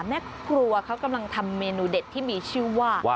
แม่ครัวเขากำลังทำเมนูเด็ดที่มีชื่อว่า